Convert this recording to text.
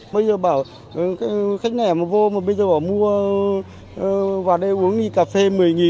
bây giờ bảo khách này mà vô mà bây giờ bảo mua vào đây uống đi cà phê một mươi